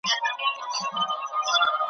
د دې زوی په شکایت یمه راغلې ,